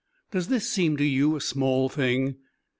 Does this seem to you a small thing?